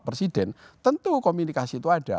presiden tentu komunikasi itu ada